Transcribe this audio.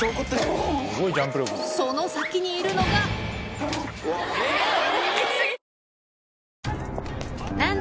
その先にいるのがえっ！